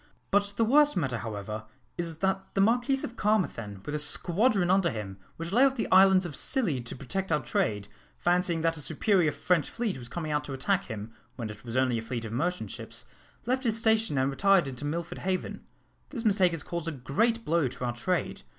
But the worst matter, however, is, that the Marquis of Carmarthen, with a squadron under him, which lay off the islands of Scilly to protect our trade, fancying that a superior French fleet was coming out to attack him, when it was only a fleet of merchant ships, left his station and retired into Milford Haven. This mistake has caused a great blow to our trade.